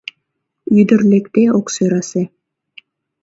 Ӱдыр лекде ок сӧрасе.